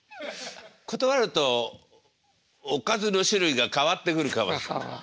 断るとおかずの種類が変わってくるかもしれない。